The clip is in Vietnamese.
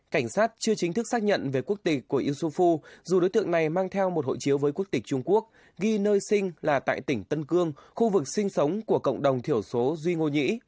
cảnh sát chưa chính thức xác nhận về quốc tịch của insufu dù đối tượng này mang theo một hộ chiếu với quốc tịch trung quốc ghi nơi sinh là tại tỉnh tân cương khu vực sinh sống của cộng đồng thiểu số duy ngô nhĩ